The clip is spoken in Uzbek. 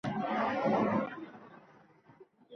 Uyini, darvozasini muhrlab ketishdi.